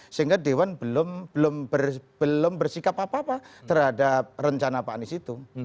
sehingga dewan belum bersikap apa apa terhadap rencana pak anies itu